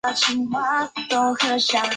宗尧也十分的尽力重整藩中财政。